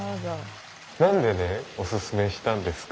何でねオススメしたんですか？